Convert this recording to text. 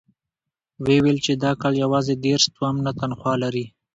ويې ويل چې د کال يواځې دېرش تومنه تنخوا لري.